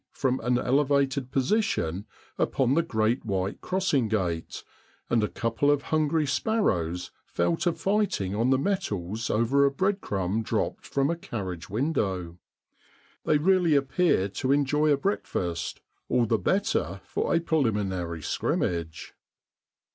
' from an elevated position upon the great white crossing gate, and a couple of hungry sparrows fell to fighting on the metals over a breadcrumb dropped from a carriage window; they really appear to enjoy a breakfast all the better for a preliminary scrimmage.